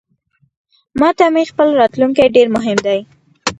ماته مې خپل راتلونکې ډیرمهم دی